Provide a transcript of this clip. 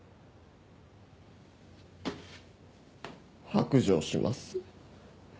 白状します。